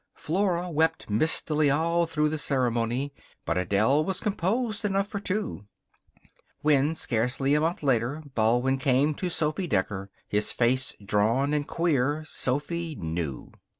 Flora wept mistily all through the ceremony, but Adele was composed enough for two. When, scarcely a month later, Baldwin came to Sophy Decker, his face drawn and queer, Sophy knew.